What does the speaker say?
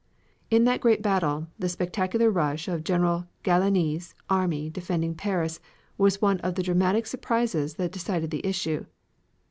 In that great battle the spectacular rush of General Gallieni's army defending Paris, was one of the dramatic surprises that decided the issue.